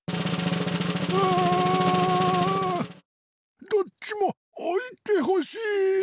ううん。どっちもおいてほしい！